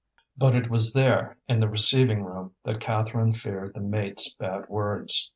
But it was there, in the receiving room, that Catherine feared the mates' bad words.